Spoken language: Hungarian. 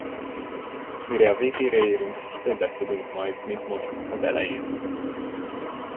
Mire a végére érünk, többet tudunk majd, mint most, az elején.